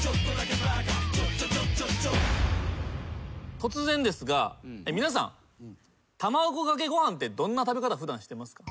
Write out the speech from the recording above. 突然ですが皆さん卵かけご飯ってどんな食べ方普段してますか？